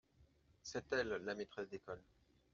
C’est elle la maîtresse d’école.